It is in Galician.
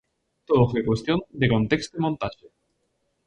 Todo foi cuestión de contexto e montaxe.